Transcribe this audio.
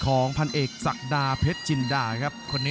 รับทราบบรรดาศักดิ์